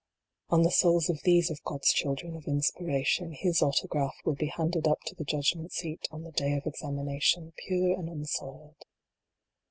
On the souls of these of God s children of inspiration, His autograph will be handed up to the judgment seat, on the Day of Examination, pure and unsoiled.